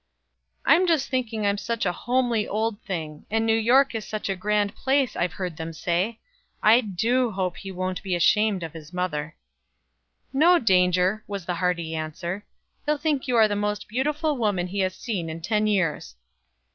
"I'm just thinking I'm such a homely old thing, and New York is such a grand place, I've heard them say. I do hope he won't be ashamed of his mother." "No danger," was the hearty answer; "he'll think you are the most beautiful woman he has seen in ten years."